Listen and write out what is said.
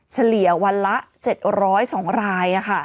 เฉลี่ยวันละ๗๐๒ราย